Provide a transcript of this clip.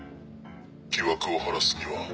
疑惑を晴らすには。